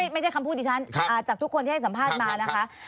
ไม่ใช่คำพูดดิฉันจากทุกคนที่ให้สัมภาษณ์มานะคะ